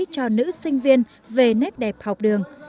cho nữ sinh viên về nét đẹp học đường